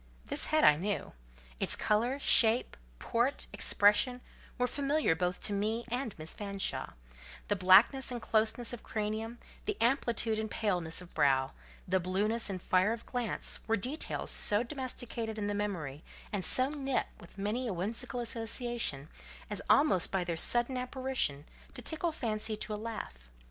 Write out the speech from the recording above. This head I knew: its colour, shape, port, expression, were familiar both to me and Miss Fanshawe; the blackness and closeness of cranium, the amplitude and paleness of brow, the blueness and fire of glance, were details so domesticated in the memory, and so knit with many a whimsical association, as almost by this their sudden apparition, to tickle fancy to a laugh.